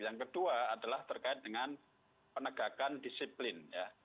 yang kedua adalah terkait dengan penegakan disiplin ya